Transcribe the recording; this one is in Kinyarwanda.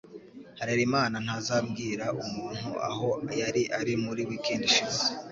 Harerimana ntazabwira umuntu aho yari ari muri weekend ishize